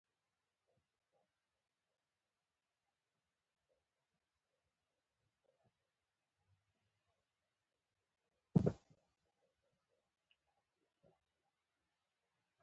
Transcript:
دا ولایت کرنيزې ځمکې او کانونه لري